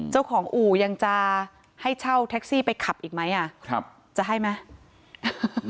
เจ้าของอู่ยังจะให้เช่าแท็กซี่ไปขับอีกไหมจะให้ไหม